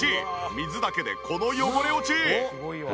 水だけでこの汚れ落ち！